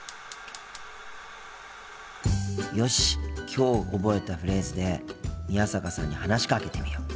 きょう覚えたフレーズで宮坂さんに話しかけてみよう。